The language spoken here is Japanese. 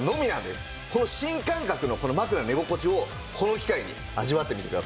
この新感覚のこの枕の寝心地をこの機会に味わってみてください。